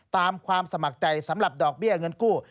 ความสมัครใจสำหรับดอกเบี้ยเงินกู้